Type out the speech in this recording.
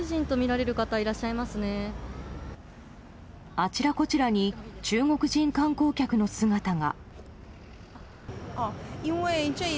あちらこちらに中国人観光客の姿が。